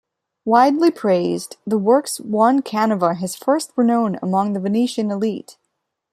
Widely praised, the works won Canova his first renown among the Venetian elite.